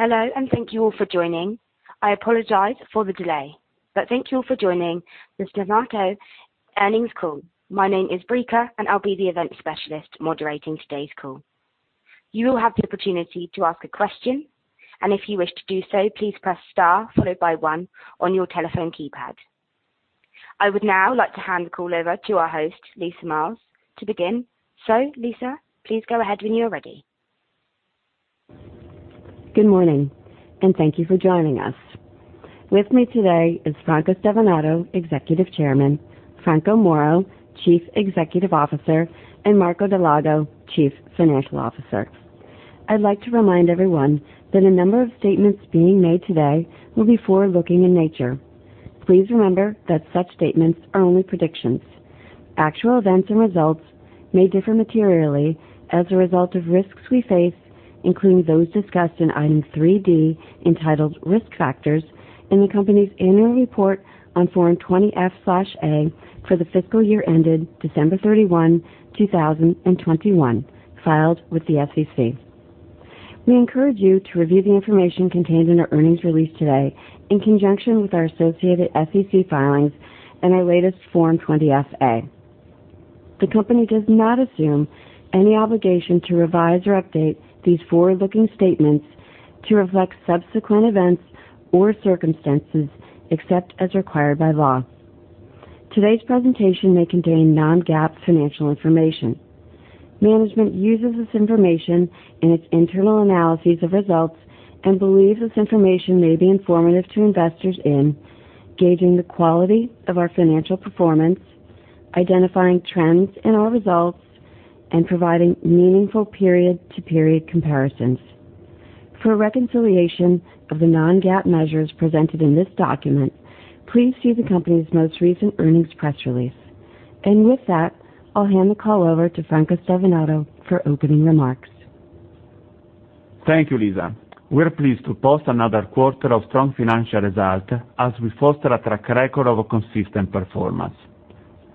Hello, and thank you all for joining. I apologize for the delay but thank you all for joining the Stevanato earnings call. My name is Erica, and I'll be the event specialist moderating today's call. You will have the opportunity to ask a question, and if you wish to do so, please press star followed by one on your telephone keypad. I would now like to hand the call over to our host, Lisa Miles, to begin. Lisa, please go ahead when you're ready. Good morning, and thank you for joining. With me today is Franco Stevanato, Executive Chairman, Franco Moro, Chief Executive Officer, and Marco Dal Lago, Chief Financial Officer. I'd like to remind everyone that a number of statements being made today will be forward-looking in nature. Please remember that such statements are only predictions. Actual events and results may differ materially as a result of risks we face, including those discussed in Item 3.D, entitled Risk Factors in the company's annual report on Form 20-F/A for the fiscal year ended December 31, 2021, filed with the SEC. We encourage you to review the information contained in our earnings release today in conjunction with our associated SEC filings and our latest Form 20-F/A. The company does not assume any obligation to revise or update these forward-looking statements to reflect subsequent events or circumstances except as required by law. Today's presentation may contain non-GAAP financial information. Management uses this information in its internal analyses of results and believes this information may be informative to investors in gauging the quality of our financial performance, identifying trends in our results, and providing meaningful period-to-period comparisons. For a reconciliation of the non-GAAP measures presented in this document, please see the company's most recent earnings press release. With that, I'll hand the call over to Franco Stevanato for opening remarks. Thank you, Lisa. We're pleased to post another of strong financial results as we foster a track record of consistent performance.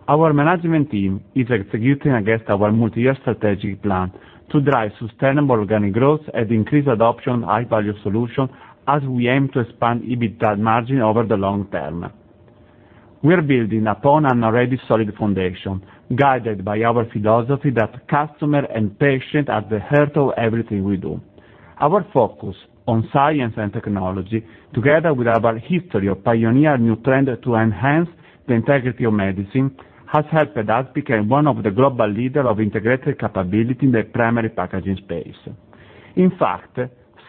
Our management team is executing against our multi-year strategic plan to drive sustainable organic growth and increase adoption of high-value solutions as we aim to expand EBITDA margin over the long term. We're building upon an already solid foundation, guided by our philosophy that customer and patient are at the heart of everything we do. Our focus on science and technology, together with our history of pioneering new trends to enhance the integrity of medicine, has helped us become one of the global leaders of integrated capability in the primary packaging space. In fact,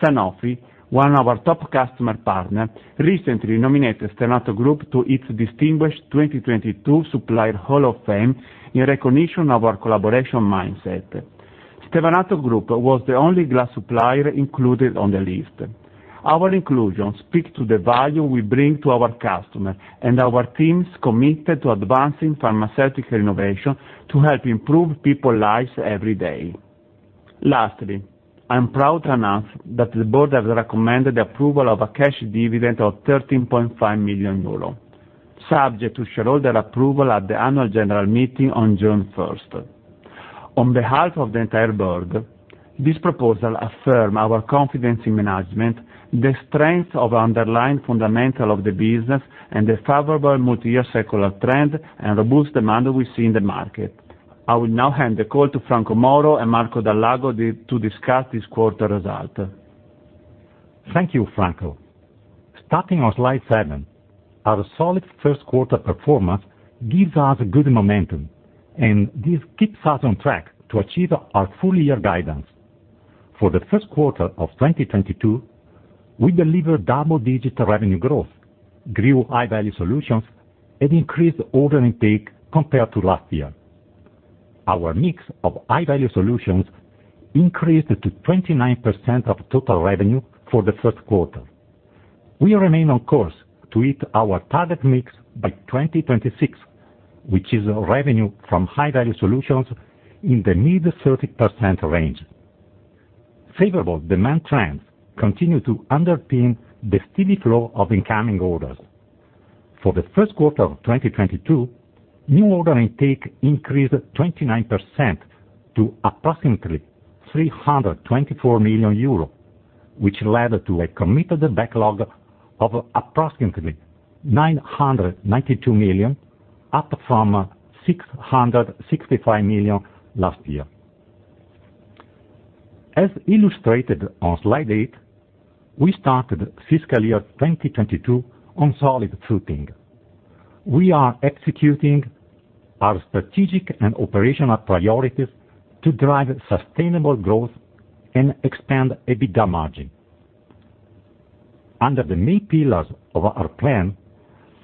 Sanofi, one of our top customer partners, recently nominated Stevanato Group to its distinguished 2022 Supplier Hall of Fame in recognition of our collaboration mindset. Stevanato Group was the only glass supplier included on the list. Our inclusion speaks to the value we bring to our customer and our teams committed to advancing pharmaceutical innovation to help improve people's lives every day. Lastly, I'm proud to announce that the board has recommended the approval of a cash dividend of 13.5 million euro, subject to shareholder approval at the annual general meeting on June 1. On behalf of the entire board, this proposal affirms our confidence in management, the strength of underlying fundamental of the business, and the favorable multi-year secular trend and robust demand we see in the market. I will now hand the call to Franco Moro and Marco Dal Lago to discuss this quarter results. Thank you, Franco. Starting on slide 7, our solid Q1 performance gives us good momentum, and this keeps us on track to achieve our full year guidance. For the Q1 of 2022, we delivered double-digit revenue growth, grew high-value solutions, and increased order intake compared to last year. Our mix of high-value solutions increased to 29% of total revenue for the Q1. We remain on course to hit our target mix by 2026, which is revenue from high-value solutions in the mid-30% range. Favorable demand trends continue to underpin the steady flow of incoming orders. For the Q1 of 2022, new order intake increased 29% to approximately 324 million euro, which led to a committed backlog of approximately 992 million, up from 665 million last year. As illustrated on slide 8, we started fiscal year 2022 on solid footing. We are executing our strategic and operational priorities to drive sustainable growth and expand EBITDA margin. Under the main pillars of our plan,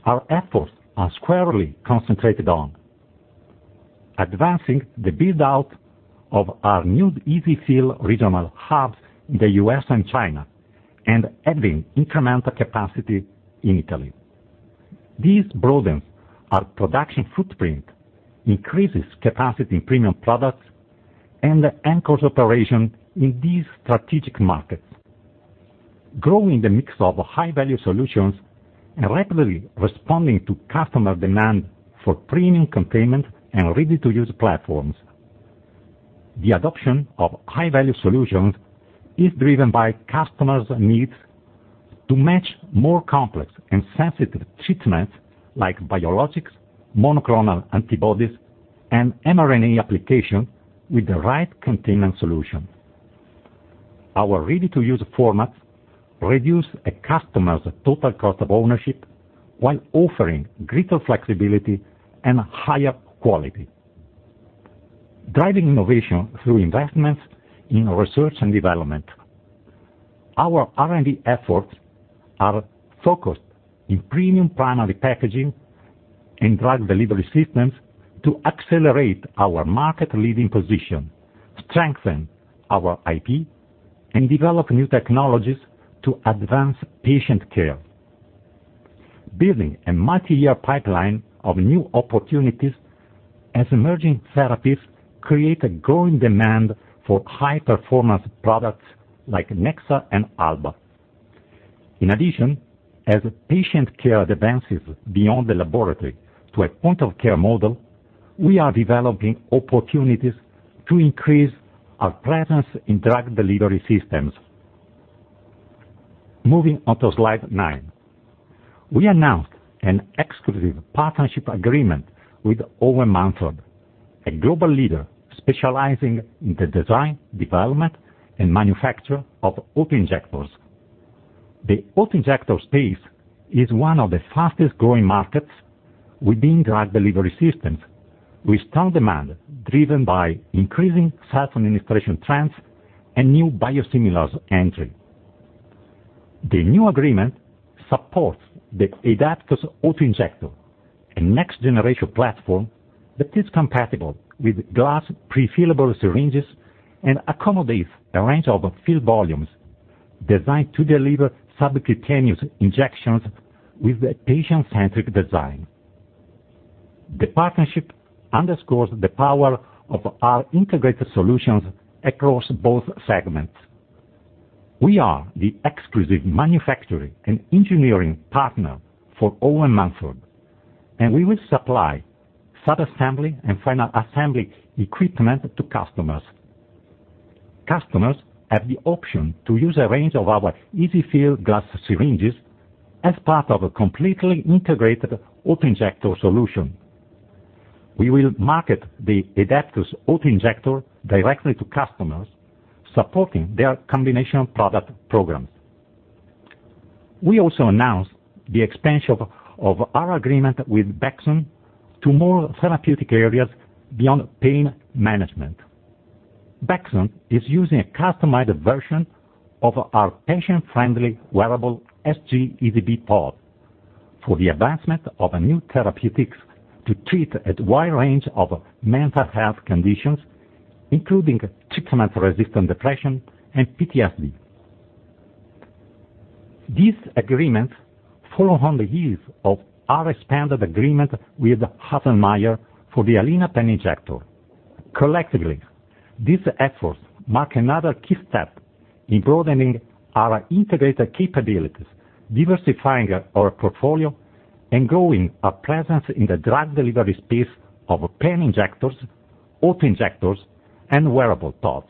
our efforts are squarely concentrated on advancing the build-out of our new EZ-fill regional hubs in the U.S. and China and adding incremental capacity in Italy. This broadens our production footprint, increases capacity in premium products, and anchors operation in these strategic markets. Growing the mix of high-value solutions and rapidly responding to customer demand for premium containment and ready-to-use platforms. The adoption of high-value solutions is driven by customers' needs to match more complex and sensitive treatments like biologics, monoclonal antibodies, and mRNA application with the right containment solution. Our ready-to-use formats reduce a customer's total cost of ownership while offering greater flexibility and higher quality. Driving innovation through investments in research and development. Our R&D efforts are focused in premium primary packaging and drug delivery systems to accelerate our market-leading position, strengthen our IP, and develop new technologies to advance patient care. Building a multi-year pipeline of new opportunities as emerging therapies create a growing demand for high-performance products like Nexa and Alba. In addition, as patient care advances beyond the laboratory to a point-of-care model, we are developing opportunities to increase our presence in drug delivery systems. Moving on to slide nine. We announced an exclusive partnership agreement with Owen Mumford, a global leader specializing in the design, development, and manufacture of autoinjectors. The autoinjector space is one of the fastest-growing markets within drug delivery systems, with strong demand driven by increasing self-administration trends and new biosimilars entry. The new agreement supports the Aidaptus autoinjector, a next-generation platform that is compatible with glass prefillable syringes and accommodates a range of fill volumes designed to deliver subcutaneous injections with a patient-centric design. The partnership underscores the power of our integrated solutions across both segments. We are the exclusive manufacturing and engineering partner for Owen Mumford, and we will supply subassembly and final assembly equipment to customers. Customers have the option to use a range of our EZ-fill glass syringes as part of a completely integrated autoinjector solution. We will market the Aidaptus autoinjector directly to customers, supporting their combination product programs. We also announced the expansion of our agreement with Bexsona to more therapeutic areas beyond pain management. Baxsona is using a customized version of our patient-friendly wearable SG EZ-be Pod for the advancement of new therapeutics to treat a wide range of mental health conditions, including treatment-resistant depression and PTSD. These agreements follow on the heels of our expanded agreement with Haselmeier for the Alina pen injector. Collectively, these efforts mark another key step in broadening our integrated capabilities, diversifying our portfolio, and growing our presence in the drug delivery space of pen injectors, autoinjectors, and wearable pods.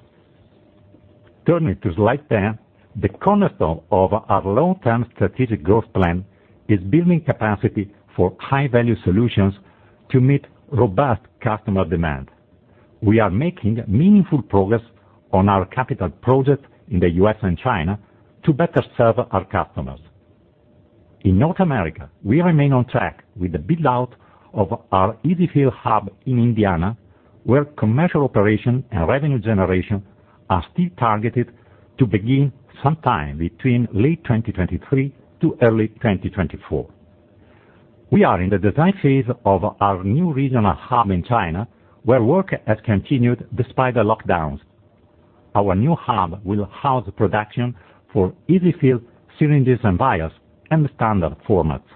Turning to slide 10. The cornerstone of our long-term strategic growth plan is building capacity for high-value solutions to meet robust customer demand. We are making meaningful progress on our capital projects in the U.S. and China to better serve our customers. In North America, we remain on track with the build-out of our EZ-fill hub in Indiana, where commercial operation and revenue generation are still targeted to begin sometime between late 2023 to early 2024. We are in the design phase of our new regional hub in China, where work has continued despite the lockdowns. Our new hub will house production for EZ-fill syringes and vials, and standard formats.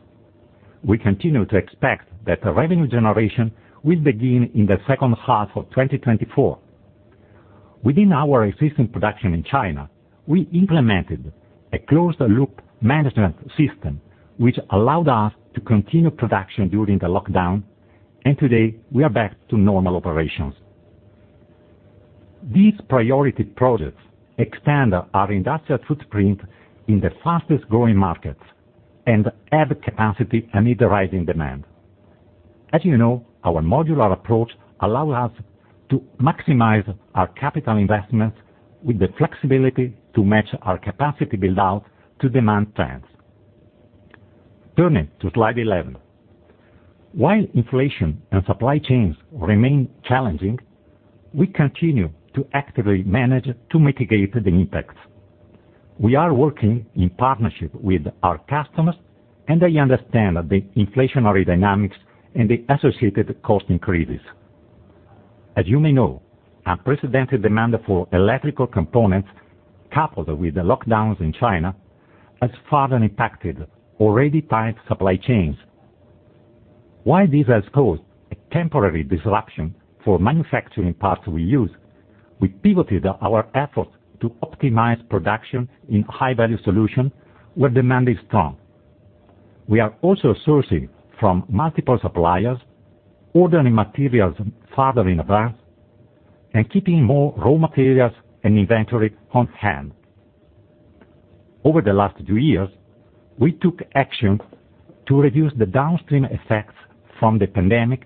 We continue to expect that the revenue generation will begin in the second half of 2024. Within our existing production in China, we implemented a closed-loop management system, which allowed us to continue production during the lockdown, and today, we are back to normal operations. These priority projects expand our industrial footprint in the fastest-growing markets and add capacity amid the rising demand. As you know, our modular approach allow us to maximize our capital investments with the flexibility to match our capacity build-out to demand trends. Turning to slide 11. While inflation and supply chains remain challenging, we continue to actively manage to mitigate the impacts. We are working in partnership with our customers, and they understand the inflationary dynamics and the associated cost increases. As you may know, unprecedented demand for electrical components, coupled with the lockdowns in China, has further impacted already tight supply chains. While this has caused a temporary disruption for manufacturing parts we use, we pivoted our efforts to optimize production in high value solution where demand is strong. We are also sourcing from multiple suppliers, ordering materials farther in advance, and keeping more raw materials and inventory on hand. Over the last two years, we took action to reduce the downstream effects from the pandemic,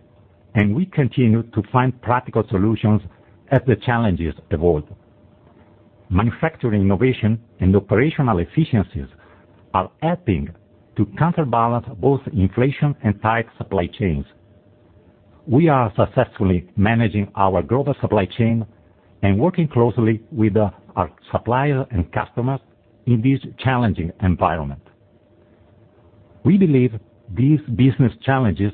and we continue to find practical solutions as the challenges evolve. Manufacturing innovation and operational efficiencies are helping to counterbalance both inflation and tight supply chains. We are successfully managing our global supply chain and working closely with our suppliers and customers in this challenging environment. We believe these business challenges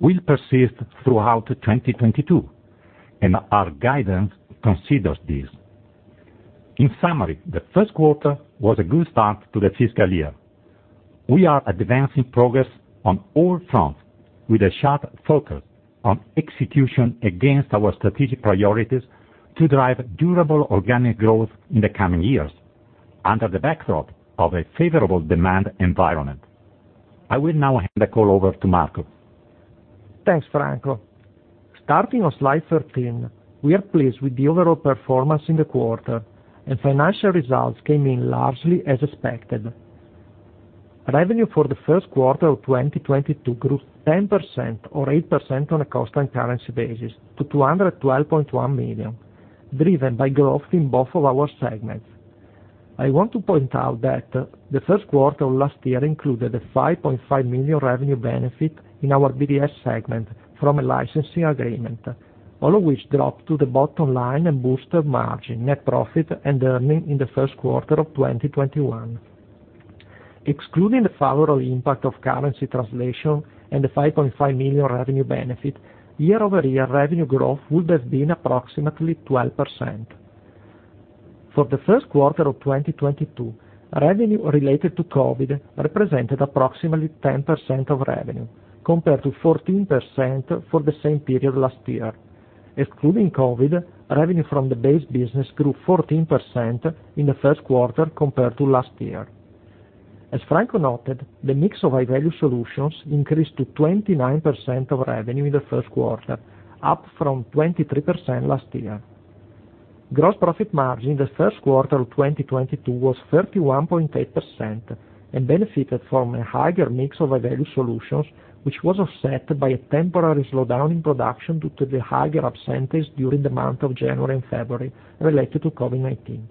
will persist throughout 2022, and our guidance considers this. In summary, the Q1 was a good start to the fiscal year. We are advancing progress on all fronts with a sharp focus on execution against our strategic priorities to drive durable organic growth in the coming years, under the backdrop of a favorable demand environment. I will now hand the call over to Marco. Thanks, Franco. Starting on slide 13, we are pleased with the overall performance in the quarter and financial results came in largely as expected. Revenue for the Q1 of 2022 grew 10% or 8% on a constant currency basis to 212.1 million, driven by growth in both of our segments. I want to point out that the Q1 of last year included a 5.5 million revenue benefit in our BDS segment from a licensing agreement, all of which dropped to the bottom line and boosted margins, net profit and earnings in the Q1 of 2021. Excluding the favorable impact of currency translation and the 5.5 million revenue benefit, year-over-year revenue growth would have been approximately 12%. For the Q1 of 2022, revenue related to COVID represented approximately 10% of revenue, compared to 14% for the same period last year. Excluding COVID, revenue from the base business grew 14% in the Q1 compared to last year. As Franco noted, the mix of high value solutions increased to 29% of revenue in the Q1, up from 23% last year. Gross profit margin in the Q1 of 2022 was 31.8% and benefited from a higher mix of high value solutions, which was offset by a temporary slowdown in production due to the higher absences during the month of January and February related to COVID-19,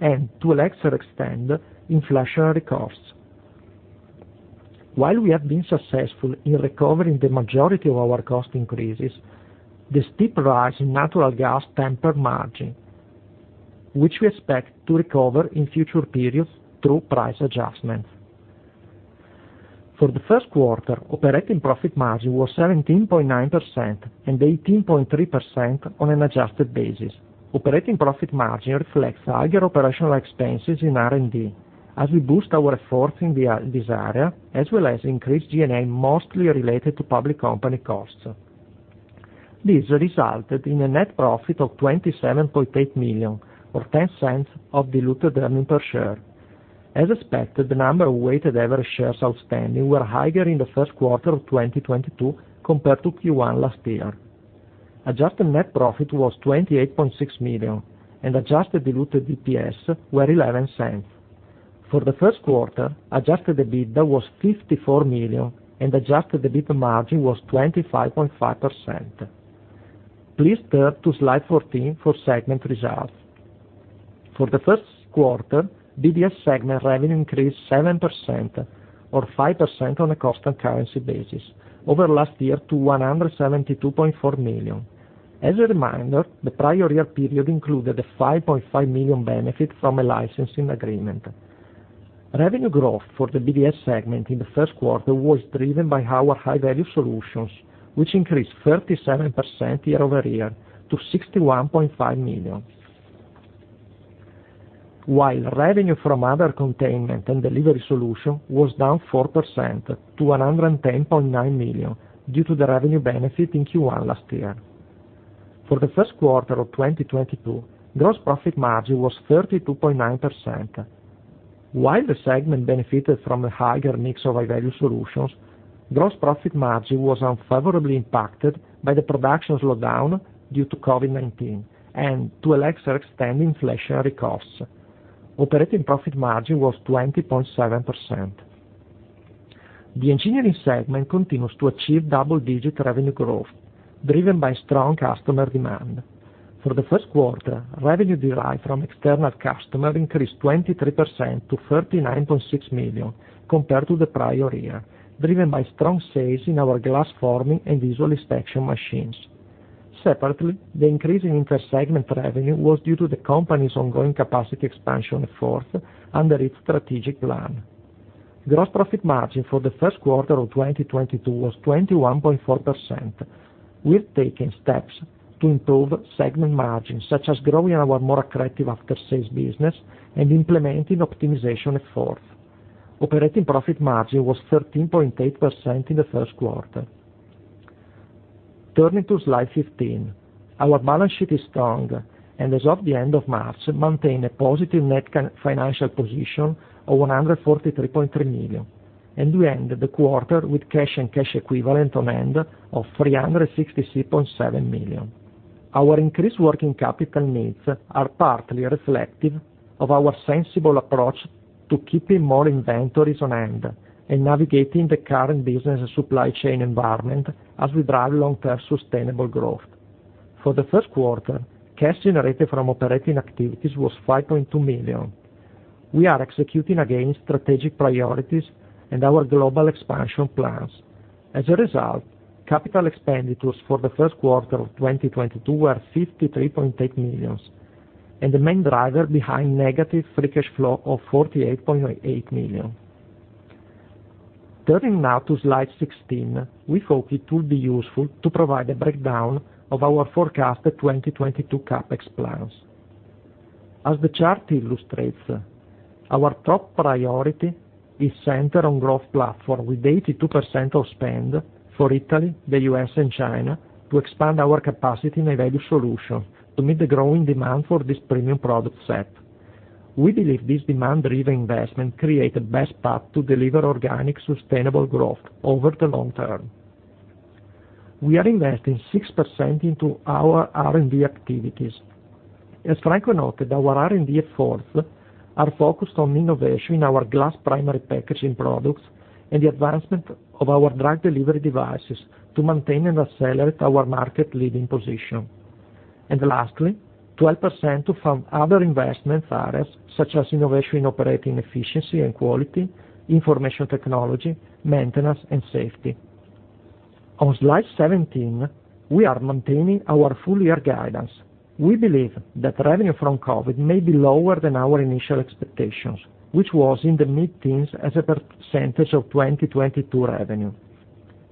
and to a lesser extent, inflationary costs. While we have been successful in recovering the majority of our cost increases, the steep rise in natural gas tempered margin, which we expect to recover in future periods through price adjustments. For the Q1, operating profit margin was 17.9% and 18.3% on an adjusted basis. Operating profit margin reflects higher operational expenses in R&D as we boost our efforts in this area, as well as increased G&A mostly related to public company costs. This resulted in a net profit of 27.8 million or $0.10 diluted earnings per share. As expected, the number of weighted average shares outstanding were higher in the Q1 of 2022 compared to Q1 last year. Adjusted net profit was 28.6 million, and adjusted diluted EPS were $0.11. For the Q1, adjusted EBITDA was 54 million, and adjusted EBITDA margin was 25.5%. Please turn to slide 14 for segment results. For the Q1, BDS segment revenue increased 7% or 5% on a constant currency basis over last year to 172.4 million. As a reminder, the prior year period included a 5.5 million benefit from a licensing agreement. Revenue growth for the BDS segment in the Q1 was driven by our high value solutions, which increased 37% year-over-year to EUR 61.5 million. While revenue from other containment and delivery solution was down 4% to 110.9 million due to the revenue benefit in Q1 last year. For the Q1 of 2022, gross profit margin was 32.9%. While the segment benefited from a higher mix of high value solutions, gross profit margin was unfavorably impacted by the production slowdown due to COVID-19 and to a lesser extent, inflationary costs. Operating profit margin was 20.7%. The engineering segment continues to achieve double-digit revenue growth, driven by strong customer demand. For the Q1, revenue derived from external customer increased 23% to 39.6 million compared to the prior year, driven by strong sales in our glass forming and visual inspection machines. Separately, the increase in intersegment revenue was due to the company's ongoing capacity expansion efforts under its strategic plan. Gross profit margin for the Q1 of 2022 was 21.4%. We're taking steps to improve segment margins, such as growing our more accretive after-sales business and implementing optimization efforts. Operating profit margin was 13.8% in the Q1. Turning to slide 15. Our balance sheet is strong and as of the end of March, maintained a positive net financial position of 143.3 million, and we ended the quarter with cash and cash equivalents on hand of 366.7 million. Our increased working capital needs are partly reflective of our sensible approach to keeping more inventories on hand and navigating the current business supply chain environment as we drive long-term sustainable growth. For the Q1, cash generated from operating activities was 5.2 million. We are executing against strategic priorities and our global expansion plans. As a result, capital expenditures for the Q1 of 2022 were 53.8 million, and the main driver behind negative free cash flow of 48.8 million. Turning now to slide 16. We thought it would be useful to provide a breakdown of our forecasted 2022 CapEx plans. As the chart illustrates, our top priority is centered on growth platform, with 82% of spend for Italy, the U.S., and China to expand our capacity in value solution to meet the growing demand for this premium product set. We believe this demand-driven investment create the best path to deliver organic, sustainable growth over the long term. We are investing 6% into our R&D activities. As Franco noted, our R&D efforts are focused on innovation in our glass primary packaging products and the advancement of our drug delivery devices to maintain and accelerate our market leading position. Lastly, 12% to fund other investment areas such as innovation in operating efficiency and quality, information technology, maintenance, and safety. On slide 17, we are maintaining our full year guidance. We believe that revenue from COVID may be lower than our initial expectations, which was in the mid-teens% of 2022 revenue.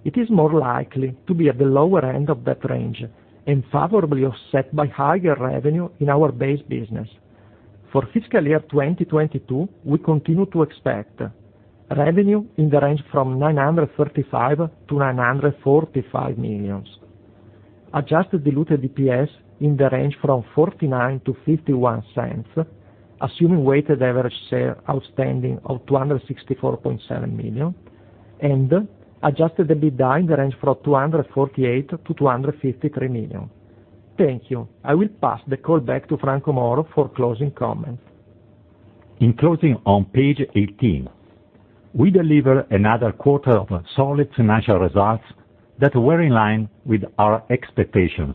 It is more likely to be at the lower end of that range and favorably offset by higher revenue in our base business. For fiscal year 2022, we continue to expect revenue in the range from 935 million-945 million, adjusted diluted EPS in the range from $0.49-$0.51, assuming weighted average shares outstanding of 264.7 million, and adjusted EBITDA in the range from 248 million-253 million. Thank you. I will pass the call back to Franco Moro for closing comments. In closing on page 18, we delivered another quarter of solid financial results that were in line with our expectations.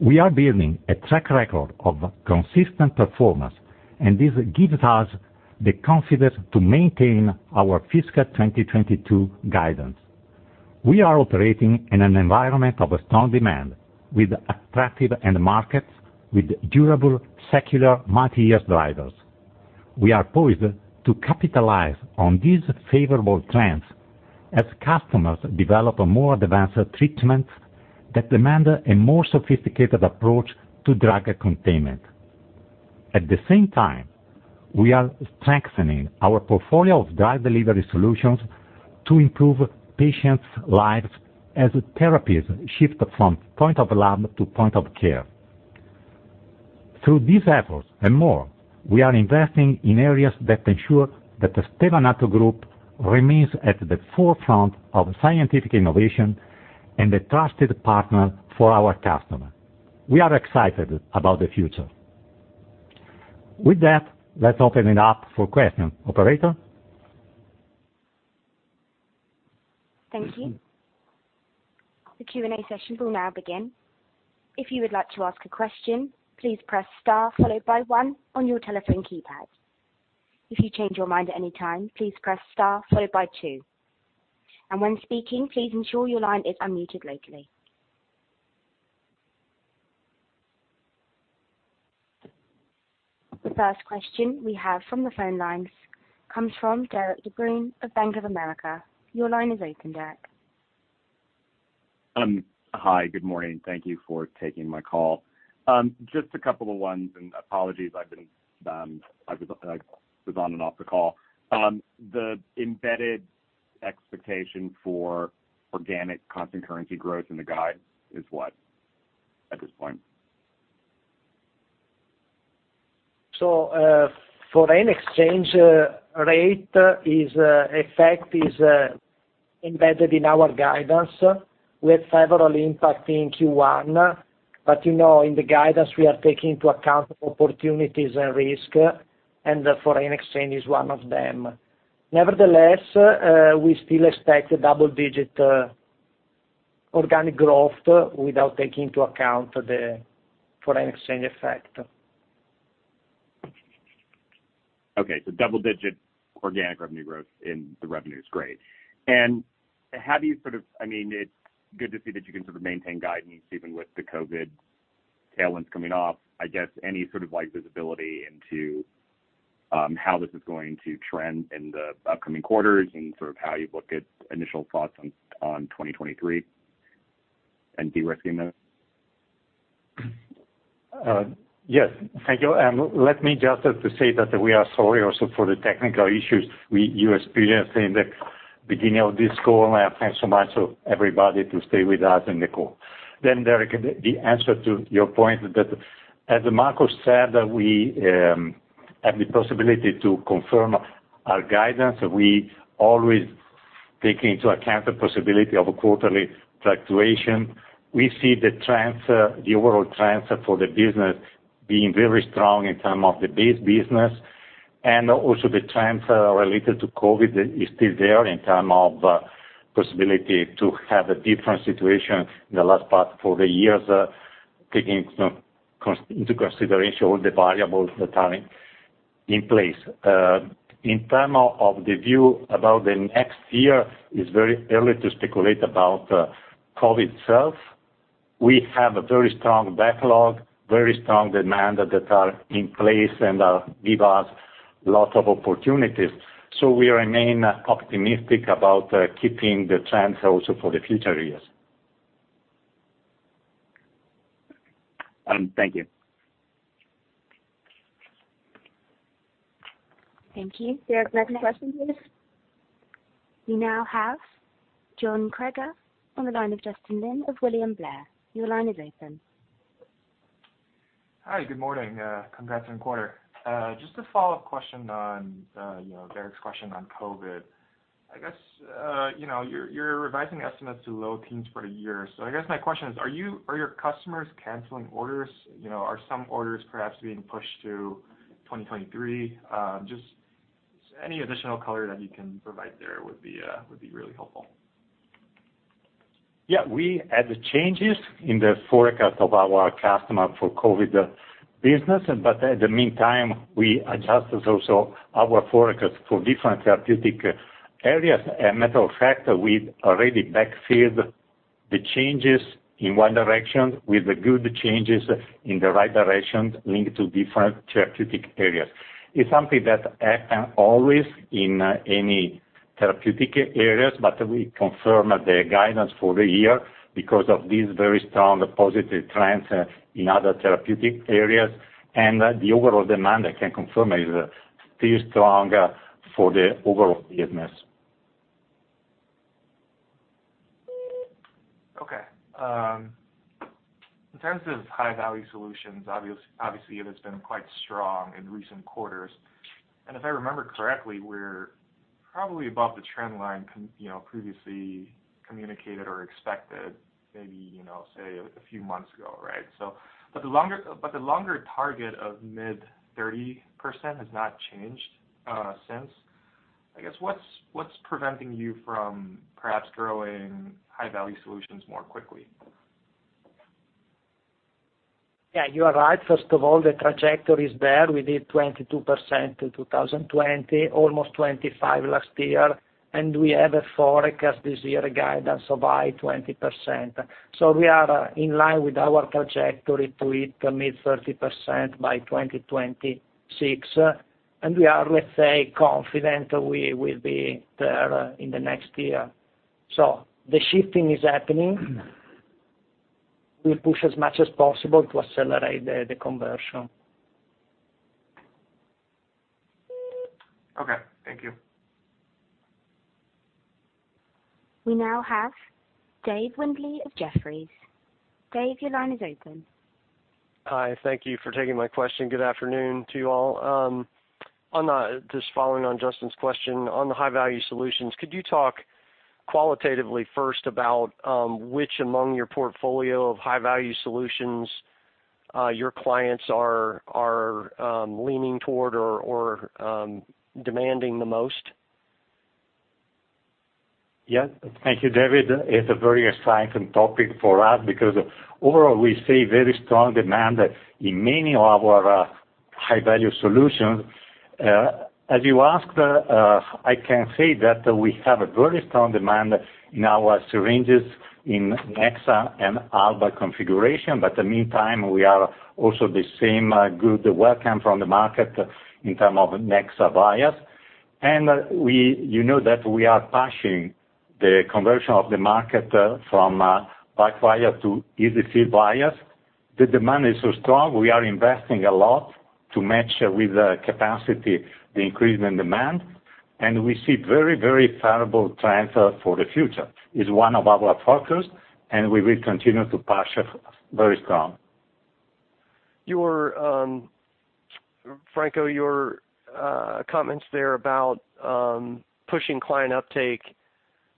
We are building a track record of consistent performance, and this gives us the confidence to maintain our fiscal 2022 guidance. We are operating in an environment of a strong demand with attractive end markets, with durable, secular, multi-year drivers. We are poised to capitalize on these favorable trends as customers develop more advanced treatments that demand a more sophisticated approach to drug containment. At the same time, we are strengthening our portfolio of drug delivery solutions to improve patients' lives as therapies shift from point of lab to point of care. Through these efforts and more, we are investing in areas that ensure that the Stevanato Group remains at the forefront of scientific innovation and a trusted partner for our customer. We are excited about the future. With that, let's open it up for questions. Operator? Thank you. The Q&A session will now begin. If you would like to ask a question, please press star followed by one on your telephone keypad. If you change your mind at any time, please press star followed by two. When speaking, please ensure your line is unmuted locally. The first question we have from the phone lines comes from Derik De Bruin of Bank of America. Your line is open, Derik. Hi, good morning. Thank you for taking my call. Just a couple of questions, and apologies, I've been, I was on and off the call. The embedded expectation for organic constant currency growth in the guide is what at this point? Foreign exchange rate effect is embedded in our guidance with severe impact in Q1. You know, in the guidance, we are taking into account opportunities and risk, and foreign exchange is one of them. Nevertheless, we still expect double-digit organic growth without taking into account the foreign exchange effect. Okay, double digit organic revenue growth in the revenue is great. I mean, it's good to see that you can sort of maintain guidance even with the COVID tailwinds coming off. I guess any sort of like visibility into how this is going to trend in the upcoming quarters and sort of how you look at initial thoughts on 2023 and de-risking those? Yes. Thank you. Let me just have to say that we are sorry also for the technical issues you experienced in the beginning of this call. Thanks so much everybody to stay with us in the call. Derik, the answer to your point that as Marco said, we have the possibility to confirm our guidance. We always take into account the possibility of a quarterly fluctuation. We see the trends, the overall trends, for the business being very strong in term of the base business, and also the trends related to COVID is still there in term of possibility to have a different situation in the last part for the years, taking into consideration all the variables that are in place. In terms of the view about next year, it is very early to speculate about COVID itself. We have a very strong backlog, very strong demand that are in place and give us lots of opportunities. We remain optimistic about keeping the trends also for the future years. Thank you. Thank you. We have our next question, please. We now have John Kreger on the line of Justin Lin of William Blair. Your line is open. Hi, good morning. Congrats on quarter. Just a follow-up question on, Derik's question on COVID. I guess, you're revising estimates to low teens% for the year. I guess my question is, are you or your customers canceling orders? You know, are some orders perhaps being pushed to 2023? Just any additional color that you can provide there would be really helpful. Yeah. We had the changes in the forecast of our customer for COVID business. In the meantime, we adjusted also our forecast for different therapeutic areas. Matter of fact, we've already backfilled the changes in one direction with the good changes in the right direction linked to different therapeutic areas. It's something that happen always in any therapeutic areas, but we confirm the guidance for the year because of these very strong positive trends in other therapeutic areas. The overall demand, I can confirm, is still strong for the overall business. Okay. In terms of high-value solutions, obviously it has been quite strong in recent quarters. If I remember correctly, we're probably above the trend line, previously communicated or expected, maybe, say a few months ago, right? The longer target of mid-30% has not changed since. I guess, what's preventing you from perhaps growing high-value solutions more quickly? Yeah, you are right. First of all, the trajectory is there. We did 22% in 2020, almost 25 last year, and we have a forecast this year guidance of high 20%. We are in line with our trajectory to hit mid-30% by 2026. We are, let's say, confident we will be there in the next year. The shifting is happening. We'll push as much as possible to accelerate the conversion. Okay. Thank you. We now have Dave Windley of Jefferies. Dave, your line is open. Hi. Thank you for taking my question. Good afternoon to you all. On just following on Justin's question on the high-value solutions, could you talk qualitatively first about which among your portfolio of high-value solutions your clients are leaning toward or demanding the most? Yeah. Thank you, Dave. It's a very exciting topic for us because overall, we see very strong demand in many of our high-value solutions. As you asked, I can say that we have a very strong demand in our syringes in Nexa® and Alba® configuration. In the meantime, we are also receiving the same good welcome from the market in terms of Nexa® vials. You know that we are pushing the conversion of the market from Type I vials to EZ-fill® vials. The demand is so strong, we are investing a lot to match with the capacity, the increase in demand. We see very, very favorable trends for the future. It's one of our focus, and we will continue to push very strong. Franco, your comments there about pushing client uptake.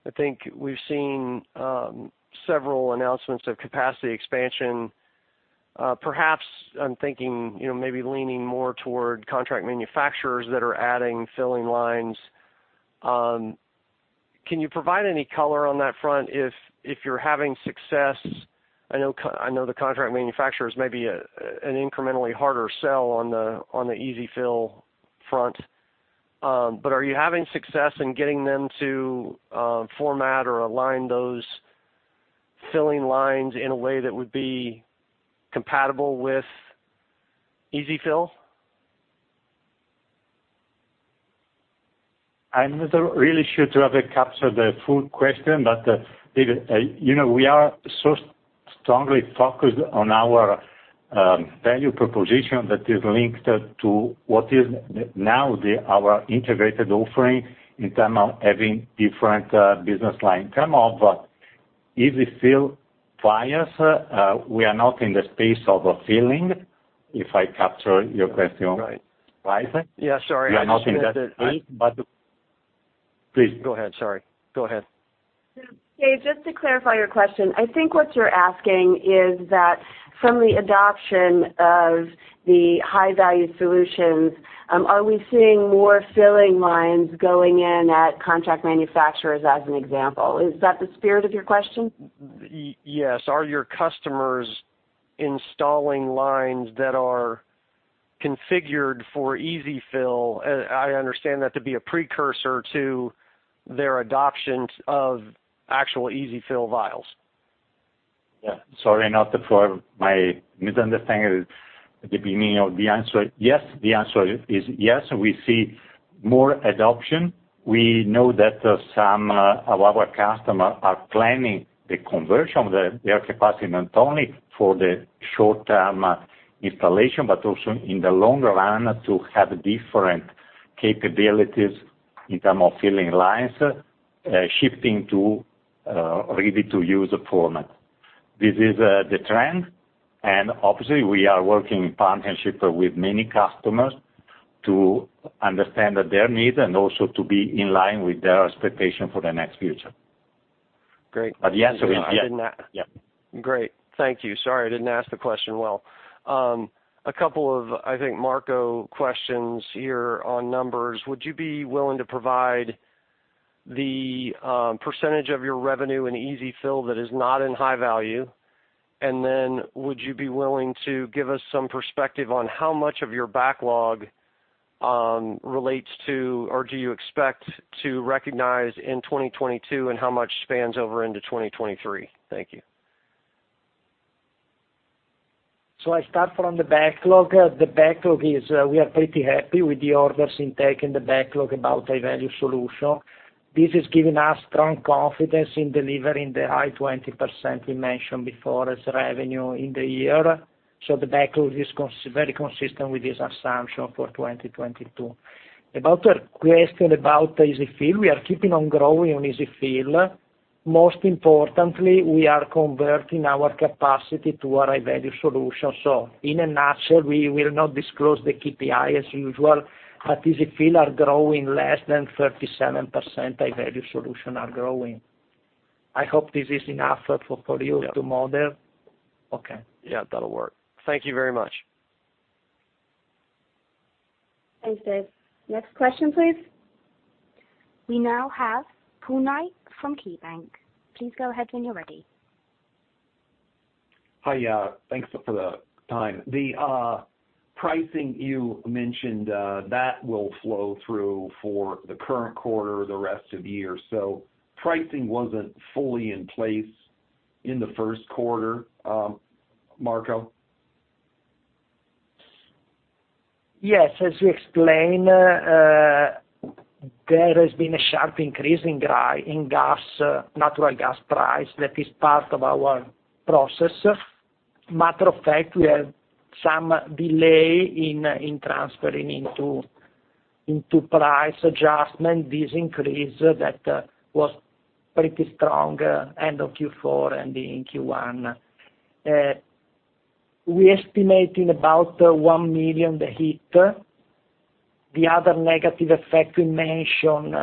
I think we've seen several announcements of capacity expansion. Perhaps I'm thinking, maybe leaning more toward contract manufacturers that are adding filling lines. Can you provide any color on that front if you're having success? I know the contract manufacturers may be an incrementally harder sell on the EZ-fill front. Are you having success in getting them to format or align those filling lines in a way that would be compatible with EZ-fill? I'm not really sure to have captured the full question, but, Dave, we are so strongly focused on our value proposition that is linked to what is now our integrated offering in terms of having different business line. In terms of EZ-fill vials, we are not in the space of filling, if I capture your question right. Yeah, sorry. I understand that. We are not in that space, but please. Go ahead, sorry. Go ahead. Dave, just to clarify your question. I think what you're asking is that from the adoption of the high-value solutions, are we seeing more filling lines going in at contract manufacturers as an example? Is that the spirit of your question? Yes. Are your customers installing lines that are configured for EZ-fill? I understand that to be a precursor to their adoptions of actual EZ-fill vials. Yeah. Sorry for my misunderstanding at the beginning of the answer. Yes. The answer is yes; we see more adoption. We know that some of our customers are planning the conversion of their capacity not only for the short-term installation, but also in the longer run to have different capabilities in terms of filling lines, shifting to ready-to-use format. This is the trend, and obviously, we are working in partnership with many customers to understand their needs and also to be in line with their expectations for the next future. Great. The answer is yes. I didn't a- Yeah. Great. Thank you. Sorry, I didn't ask the question well. A couple of, I think, Marco questions here on numbers. Would you be willing to provide the percentage of your revenue in EZ-fill that is not in high value? And then would you be willing to give us some perspective on how much of your backlog relates to or do you expect to recognize in 2022, and how much spans over into 2023? Thank you. I start from the backlog. The backlog is, we are pretty happy with the orders intake in the backlog about high-value solution. This is giving us strong confidence in delivering the high 20% we mentioned before as revenue in the year. The backlog is very consistent with this assumption for 2022. About your question about EZ-fill, we are keeping on growing on EZ-fill. Most importantly, we are converting our capacity to our high-value solution. In a nutshell, we will not disclose the KPI as usual, but EZ-fill are growing less than 37% high-value solution are growing. I hope this is enough for you to model. Yeah. Okay. Yeah, that'll work. Thank you very much. Thanks, Dave. Next question, please. We now have Paul Knight from KeyBanc. Please go ahead when you're ready. Hi. Thanks for the time. The pricing you mentioned that will flow through for the current quarter or the rest of the year. Pricing wasn't fully in place in the Q1, Marco? Yes. As we explained, there has been a sharp increase in gas, natural gas price that is part of our process. Matter of fact, we have some delay in transferring into price adjustment. This increase that was pretty strong end of Q4 and in Q1. We estimating about 1 million, the hit. The other negative effect we mention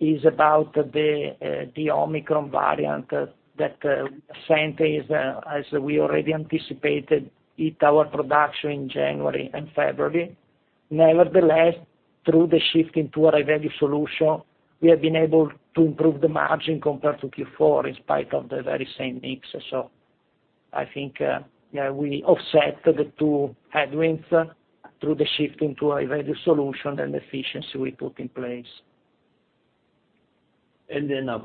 is about the Omicron variant that same thing as we already anticipated, hit our production in January and February. Nevertheless, through the shift into our high-value solution, we have been able to improve the margin compared to Q4 in spite of the very same mix. I think we offset the two headwinds through the shift into high-value solution and efficiency we put in place.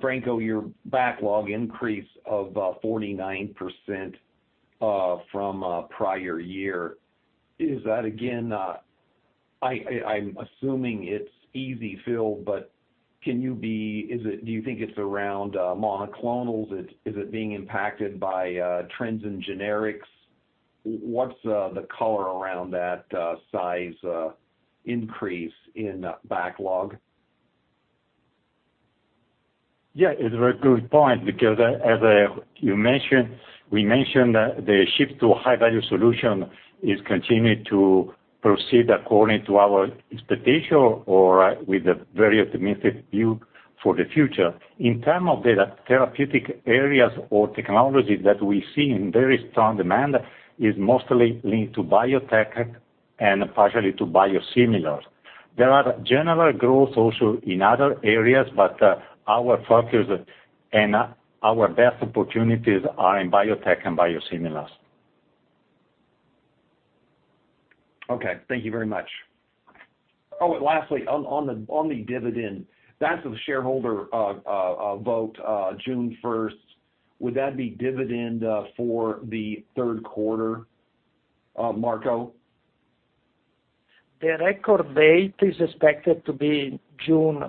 Franco, your backlog increase of 49% from prior year. Is that again? I'm assuming it's EZ-fill, but do you think it's around monoclonals? Is it being impacted by trends in generics? What's the color around that size increase in backlog? Yeah, it's a very good point because we mentioned the shift to high-value solution is continuing to proceed according to our expectation or with a very optimistic view for the future. In terms of the therapeutic areas or technologies that we see in very strong demand is mostly linked to biotech and partially to biosimilars. There are general growth also in other areas, but our focus and our best opportunities are in biotech and biosimilars. Okay. Thank you very much. Oh, lastly, on the dividend, that's the shareholder vote, June first. Would that be dividend for the Q3, Marco? The record date is expected to be June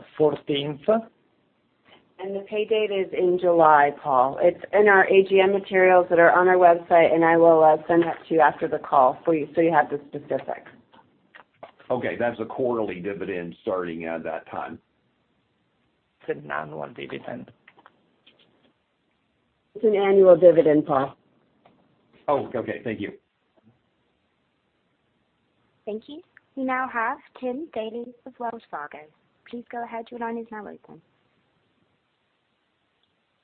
fourteenth. The pay date is in July, Paul. It's in our AGM materials that are on our website, and I will send that to you after the call for you, so you have the specifics. Okay. That's a quarterly dividend starting at that time. It's an annual dividend. It's an annual dividend, Paul. Oh, okay. Thank you. Thank you. We now have Tim Daley of Wells Fargo. Please go ahead. Your line is now open.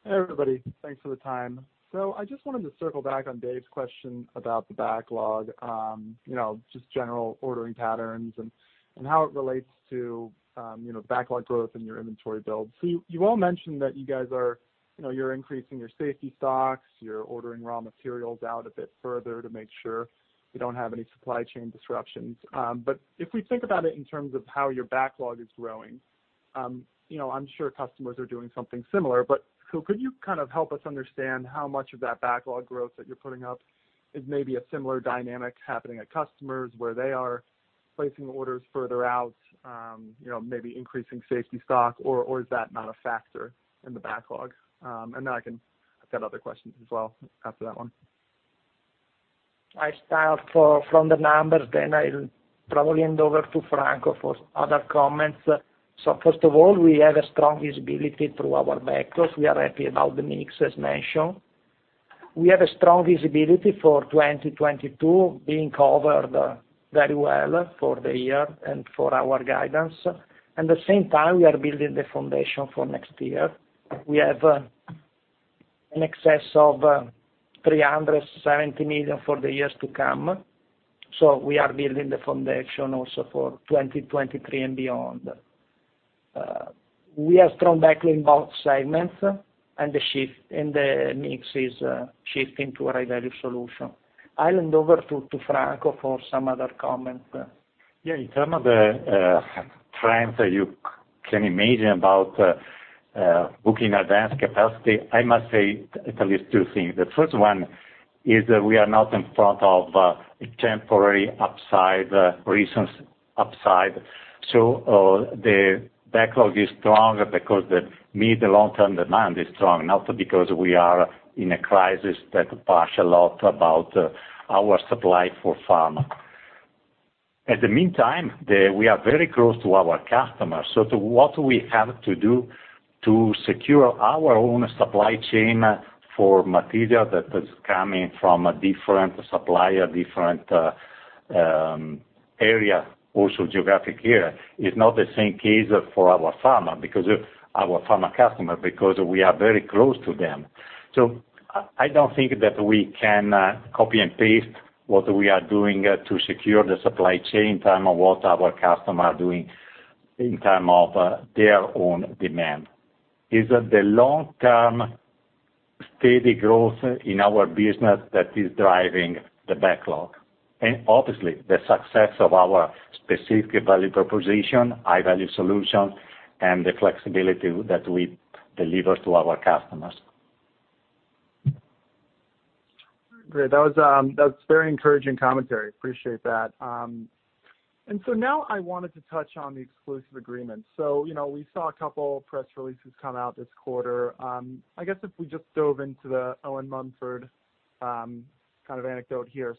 Hey, everybody. Thanks for the time. I just wanted to circle back on Dave's question about the backlog, just general ordering patterns and how it relates to, backlog growth and your inventory build. You all mentioned that you guys are, you're increasing your safety stocks, you're ordering raw materials out a bit further to make sure you don't have any supply chain disruptions. If we think about it in terms of how your backlog is growing, I'm sure customers are doing something similar, but so could you kind of help us understand how much of that backlog growth that you're putting up is maybe a similar dynamic happening at customers where they are placing orders further out, maybe increasing safety stock, or is that not a factor in the backlog? Then I've got other questions as well after that one. I start from the numbers, then I'll probably hand over to Franco for other comments. First of all, we have a strong visibility through our backlogs. We are happy about the mix, as mentioned. We have a strong visibility for 2022 being covered very well for the year and for our guidance. At the same time, we are building the foundation for next year. We have in excess of 370 million for the years to come, so we are building the foundation also for 2023 and beyond. We have strong backlog in both segments, and the mix is shifting to a high-value solution. I'll hand over to Franco for some other comments. In terms of the trends that you can imagine about booking advance capacity, I must say at least two things. The first one is that we are not in front of a temporary upside, recent upside. The backlog is strong because the mid- to long-term demand is strong, not because we are in a crisis that push a lot about our supply for pharma. In the meantime, we are very close to our customers. To what we have to do to secure our own supply chain for material that is coming from a different supplier, different area, also geographic area, is not the same case for our pharma, because of our pharma customer, because we are very close to them. I don't think that we can copy and paste what we are doing to secure the supply chain in terms of what our customers are doing in terms of their own demand. It's the long-term steady growth in our business that is driving the backlog, and obviously, the success of our specific value proposition, high-value solution, and the flexibility that we deliver to our customers. Great. That was very encouraging commentary. Appreciate that. Now I wanted to touch on the exclusive agreement. You know, we saw a couple press releases come out this quarter. I guess if we just dove into the Owen Mumford kind of anecdote here.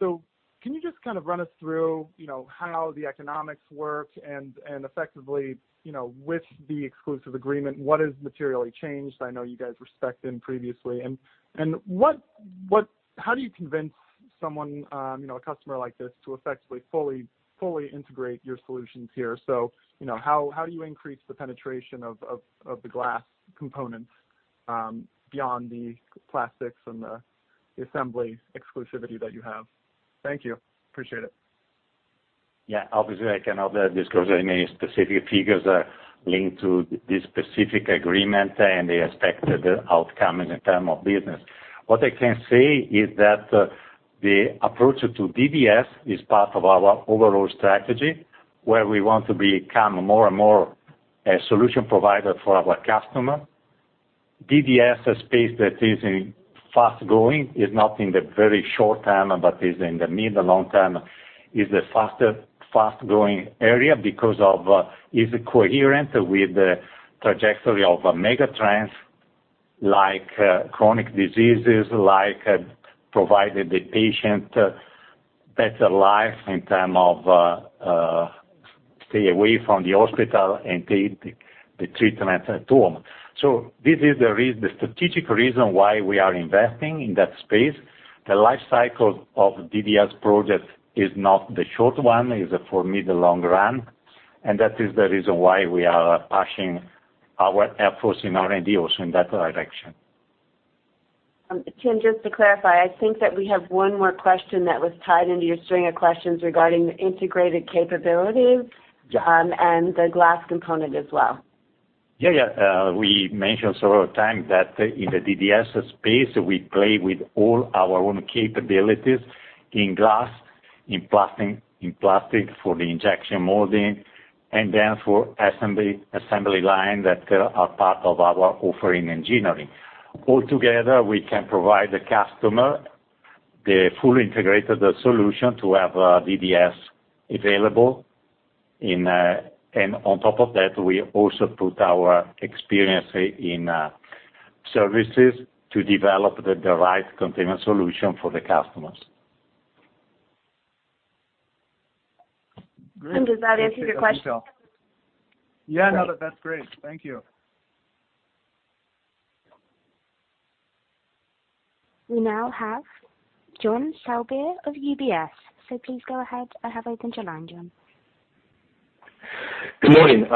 Can you just kind of run us through, how the economics work and effectively, with the exclusive agreement, what is materially changed? I know you guys were spec'd in previously. What how do you convince someone, a customer like this to effectively, fully integrate your solutions here? You know, how do you increase the penetration of the glass components beyond the plastics and the assembly exclusivity that you have? Thank you. Appreciate it. Yeah. Obviously, I cannot disclose any specific figures linked to this specific agreement and the expected outcome in terms of business. What I can say is that the approach to DDS is part of our overall strategy, where we want to become more and more a solution provider for our customer. DDS space that is in fast-growing is not in the very short term, but is in the mid- to long term, is the faster fast-growing area because of is coherent with the trajectory of mega trends like chronic diseases, like providing the patient better life in terms of, stay away from the hospital and take the treatment at home. This is the strategic reason why we are investing in that space. The life cycle of DDS project is not the short one. It's for mid- to long run, and that is the reason why we are pushing our efforts in R&D also in that direction. Tim, just to clarify, I think that we have one more question that was tied into your string of questions regarding the integrated capabilities, and the glass component as well. Yeah, yeah. We mentioned several times that in the DDS space, we play with all our own capabilities in glass, in plastic for the injection molding, and then for assembly line that are part of our offering engineering. All together, we can provide the customer the full integrated solution to have DDS available in. On top of that, we also put our experience in services to develop the right container solution for the customers. Great. Does that answer your question? Yeah, no. That's great. Thank you. We now have John Sourbeer of UBS. Please go ahead. I'll have open your line, John. Good morning.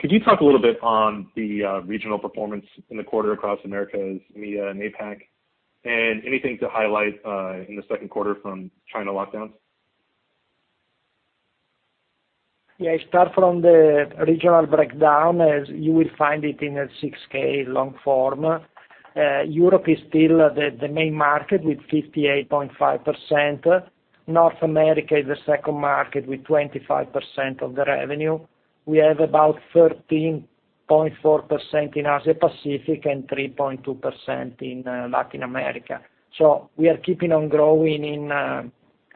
Could you talk a little bit on the regional performance in the quarter across Americas, EMEA, and APAC? Anything to highlight in the Q2 from China lockdowns? Yeah, I start from the regional breakdown as you will find it in a 6-K long form. Europe is still the main market with 58.5%. North America is the second market with 25% of the revenue. We have about 13.4% in Asia-Pacific and 3.2% in Latin America. We are keeping on growing in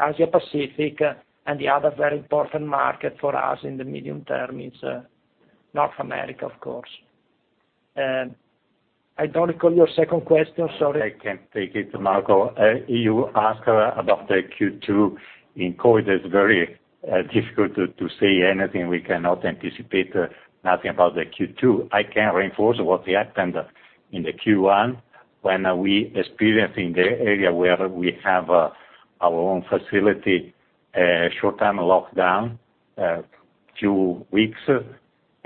Asia-Pacific. The other very important market for us in the medium term is North America, of course. I don't recall your second question, sorry. I can take it, Marco. You ask about the Q2. In COVID, it's very difficult to say anything. We cannot anticipate nothing about the Q2. I can reinforce what we experienced in the Q1 when we experiencing the area where we have our own facility, short-term lockdown, few weeks.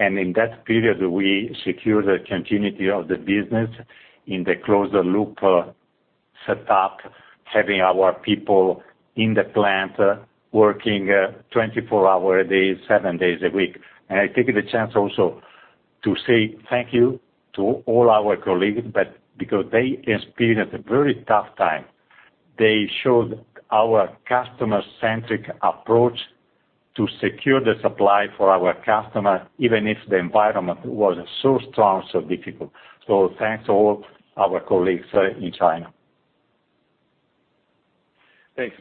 In that period, we secure the continuity of the business in the closed loop setup, having our people in the plant working 24 hours a day, 7 days a week. I take the chance also to say thank you to all our colleagues, but because they experienced a very tough time. They showed our customer-centric approach to secure the supply for our customers, even if the environment was so strong, so difficult. Thanks to all our colleagues in China. Thanks.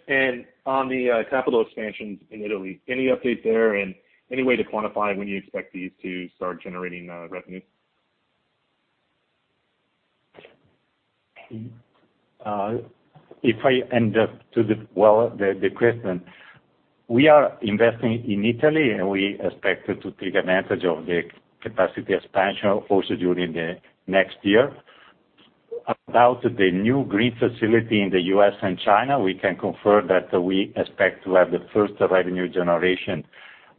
On the capital expansions in Italy, any update there? Any way to quantify when you expect these to start generating revenue? If I understand the question. We are investing in Italy, and we expect to take advantage of the capacity expansion also during the next year. About the new green facility in the U.S. and China, we can confirm that we expect to have the first revenue generation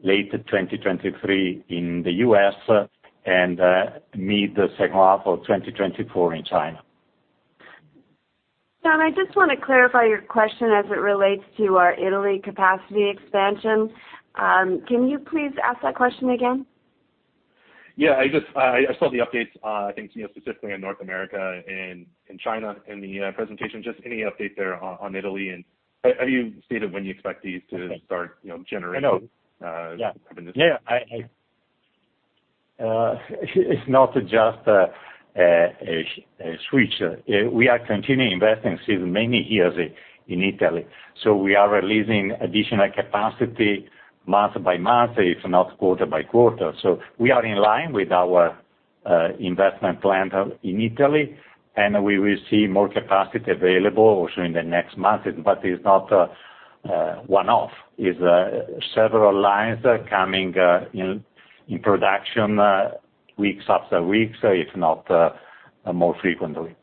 late 2023 in the U.S., and in the second half of 2024 in China. John, I just wanna clarify your question as it relates to our Italy capacity expansion. Can you please ask that question again? Yeah, I just saw the updates, I think, specifically in North America and in China in the presentation. Just any update there on Italy, and have you stated when you expect these to start, generating revenue? I know. Yeah, I. It's not just a switch. We are continuing investing since many years in Italy. We are releasing additional capacity month by month if not quarter-by-quarter. We are in line with our investment plan in Italy, and we will see more capacity available also in the next months. It's not one-off. It's several lines coming in production weeks after weeks, if not more frequently.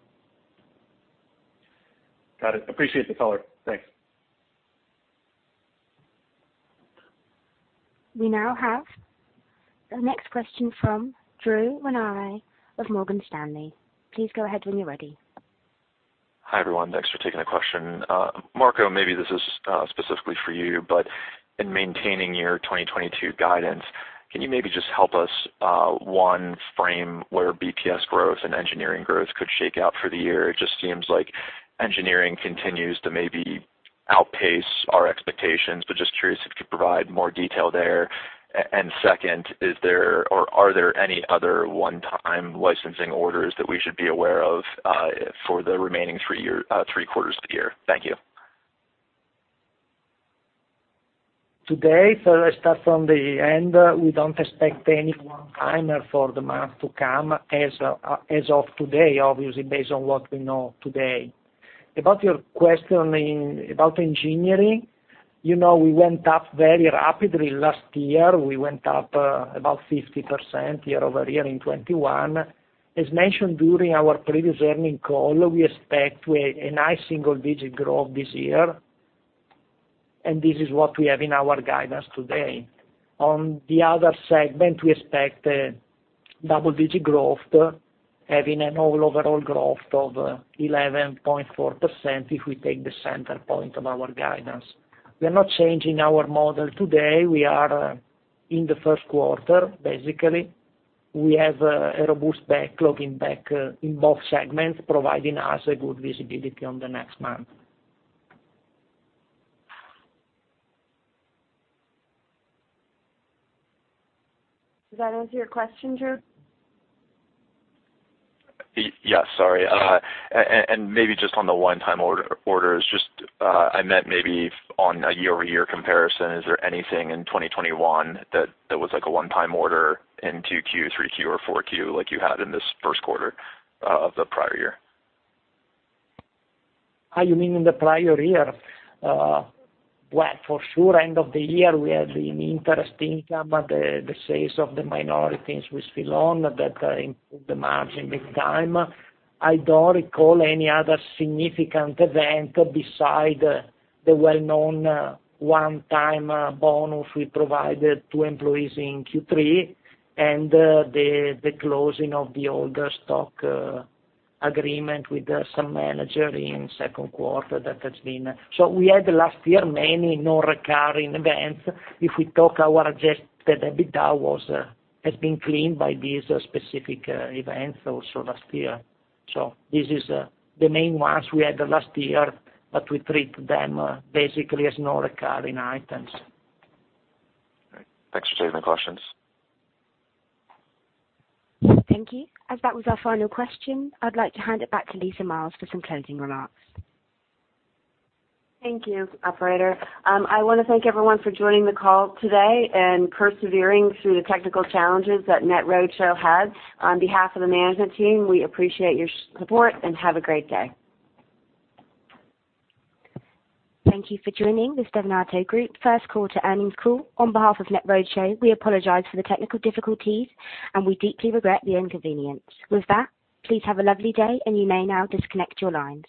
Got it. Appreciate the color. Thanks. We now have the next question from Drew Ranieri of Morgan Stanley. Please go ahead when you're ready. Hi, everyone. Thanks for taking the question. Marco, maybe this is specifically for you, but in maintaining your 2022 guidance, can you maybe just help us frame where BDS growth and engineering growth could shake out for the year? It just seems like engineering continues to maybe outpace our expectations. Just curious if you could provide more detail there. Second, is there or are there any other one-time licensing orders that we should be aware of for the remaining three quarters of the year? Thank you. Today, I start from the end. We don't expect anyone-timer for the month to come as of today, obviously, based on what we know today. About your question about engineering, we went up very rapidly last year. We went up about 50% year-over-year in 2021. As mentioned during our previous earnings call, we expect a nice single-digit growth this year, and this is what we have in our guidance today. On the other segment, we expect a double-digit growth, having an overall growth of 11.4% if we take the midpoint of our guidance. We are not changing our model today. We are in the Q1. Basically, we have a robust backlog in both segments, providing us good visibility on the next month. Does that answer your question, Drew? Yes. Sorry. Maybe just on the one-time order, I meant maybe on a year-over-year comparison, is there anything in 2021 that was like a one-time order in 2Q, 3Q or 4Q like you had in this Q1 of the prior year? Oh, you mean in the prior year? Well, for sure, end of the year, we had the interest income, the sales of the minorities with Filon that improved the margin big time. I don't recall any other significant event beside the well-known one-time bonus we provided to employees in Q3 and the closing of the older stock agreement with the same manager in Q2 that has been. We had last year many non-recurring events. If we talk about our adjusted EBITDA has been cleaned by these specific events also last year. This is the main ones we had the last year, but we treat them basically as non-recurring items. All right. Thanks for taking the questions. Thank you. As that was our final question, I'd like to hand it back to Lisa Miles for some closing remarks. Thank you, operator. I wanna thank everyone for joining the call today and persevering through the technical challenges that NetRoadshow had. On behalf of the management team, we appreciate your support and have a great day. Thank you for joining this Stevanato Group Q1 earnings call. On behalf of NetRoadshow, we apologize for the technical difficulties, and we deeply regret the inconvenience. With that, please have a lovely day, and you may now disconnect your lines.